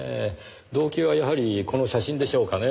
動機はやはりこの写真でしょうかねぇ。